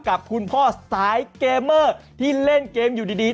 กับคุณพ่อสายเกมเมอร์ที่เล่นเกมอยู่ดี